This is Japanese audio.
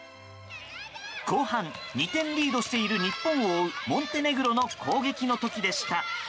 後半、２点リードしている日本を追うモンテネグロの攻撃の時でした。